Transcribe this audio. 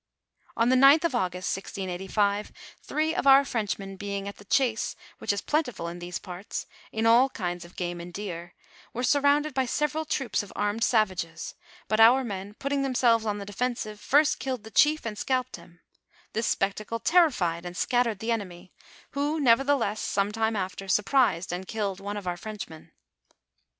On the 9th of August, 1685, three of our Frenchmen being at the chase which is plentiful in these parts, in all kinds of game and deer, were surroimded by several troops of aimed savages, but our men putting themselves on the defensive, firet killed the chief and scalped him; this spectacle terrified and scattered the enemy, who nevertheless, some time after, surprised and killed one of our Frenchmen.